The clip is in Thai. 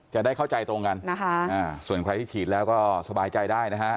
จะได้เข้าใจตรงกันนะคะส่วนใครที่ฉีดแล้วก็สบายใจได้นะฮะ